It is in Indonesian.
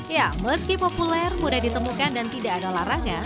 ya meski populer mudah ditemukan dan tidak ada larangan